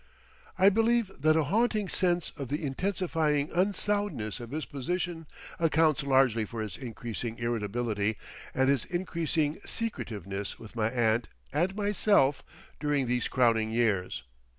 I believe that a haunting sense of the intensifying unsoundness of his position accounts largely for his increasing irritability and his increasing secretiveness with my aunt and myself during these crowning years.